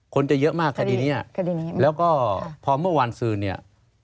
คนจะเยอะมากคดีนี้แล้วก็พอเมื่อวันซื้อเนี่ย